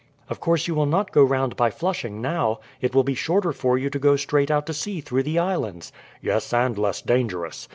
"Of course you will not go round by Flushing now? It will be shorter for you to go straight out to sea through the islands." "Yes, and less dangerous.